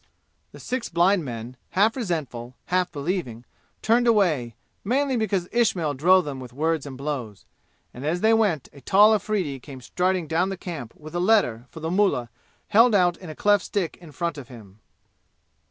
The six blind men, half resentful, half believing, turned away, mainly because Ismail drove them with words and blows. And as they went a tall Afridi came striding down the camp with a letter for the mullah held out in a cleft stick in front of him.